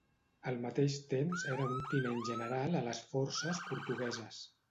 Al mateix temps era un tinent general a les forces portugueses.